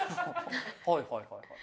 はいはいはいはい。